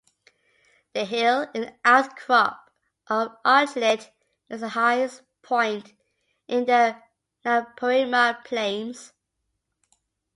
The hill, an outcrop of Argillite is the highest point in the Naparima Plains.